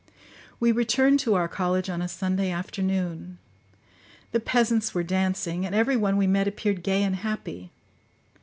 We returned to our college on a Sunday afternoon: the peasants were dancing, and every one we met appeared gay and happy.